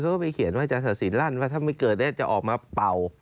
สีรั่นว่าถ้าไม่เกิดแน่จะออกมาเป่า